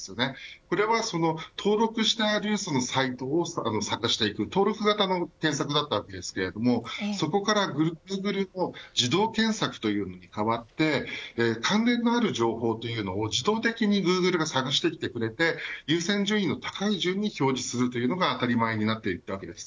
これはその登録したサイトを探していく登録型の検索だったんですけれどそこからグーグルの自動検索というのに変わって関連のある情報というのを自動的にグーグルが探してきてくれて優先順位の高い順に表示するというのが当たり前になっていったわけです。